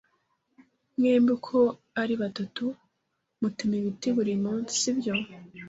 Mwembi uko ari batatu mutema ibiti buri munsi, sibyo?